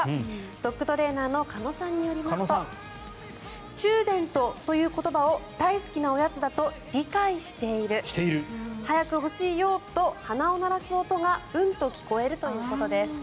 ドッグトレーナーの鹿野さんによりますとチューデントという言葉を大好きなおやつだと理解している早く欲しいよと鼻を鳴らす音がうんと聞こえるということです。